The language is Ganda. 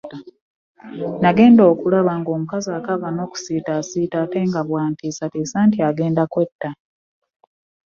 Nagenda okulaba ng'omukazi akaaba n'okusiita asiita ate nga bw'antiisatiisa nti agenda kwetta.